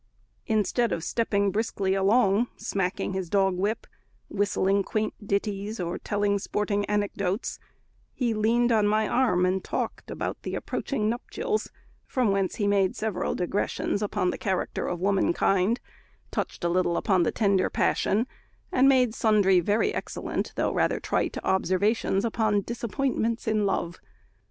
Instead of stepping briskly along, smacking his dog whip, whistling quaint ditties, or telling sporting anecdotes, he leaned on my arm, and talked about the approaching nuptials; from whence he made several digressions upon the character of womankind, touched a little upon the tender passion, and made sundry very excellent, though rather trite, observations upon disappointments in love.